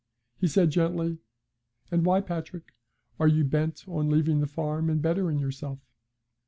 He said, gently: 'And why, Patrick, are you bent on leaving the farm and bettering yourself?'